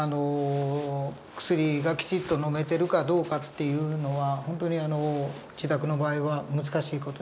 薬がきちっと飲めてるかどうかっていうのは本当に自宅の場合は難しい事じゃないかと思います。